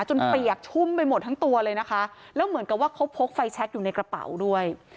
เปียกชุ่มไปหมดทั้งตัวเลยนะคะแล้วเหมือนกับว่าเขาพกไฟแชคอยู่ในกระเป๋าด้วย